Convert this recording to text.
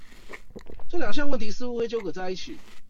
這兩項問題似乎會糾葛在一起